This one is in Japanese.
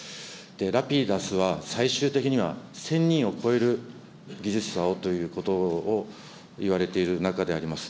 ラピダスは最終的には１０００人を超える技術者をということをいわれている中であります。